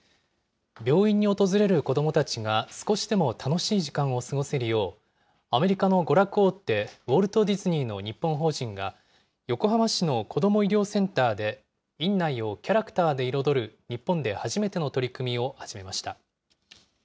病院に訪れる子どもたちが少しでも楽しい時間を過ごせるよう、アメリカの娯楽大手、ウォルト・ディズニーの日本法人が、横浜市のこども医療センターで、院内をキャラクターで彩る、日本で初めての取り組みを始めました。